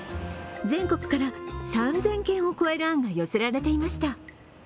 全国から３０００件を超える案が寄せられていました。